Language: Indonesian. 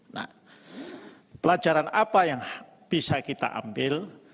nah pelajaran apa yang bisa kita ambil